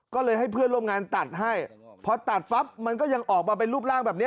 ก็เลยให้เพื่อนร่วมงานตัดให้พอตัดปั๊บมันก็ยังออกมาเป็นรูปร่างแบบนี้